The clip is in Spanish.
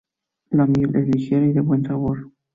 La miel es ligera y de buen sabor.